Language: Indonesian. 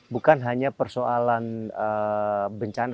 bukan hanya persoalan bencana